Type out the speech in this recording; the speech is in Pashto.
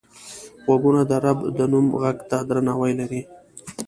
غوږونه د رب د نوم غږ ته درناوی لري